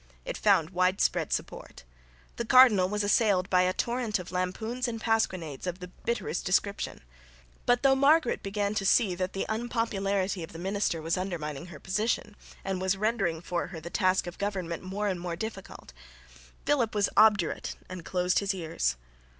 It found widespread support. The cardinal was assailed by a torrent of lampoons and pasquinades of the bitterest description. But, though Margaret began to see that the unpopularity of the minister was undermining her position, and was rendering for her the task of government more and more difficult, Philip was obdurate and closed his ears.